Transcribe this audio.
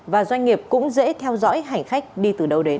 và doanh nghiệp cũng dễ theo dõi hành khách đi từ đâu đến